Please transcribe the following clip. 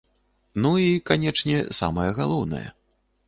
Ну і, канечне, самае галоўнае.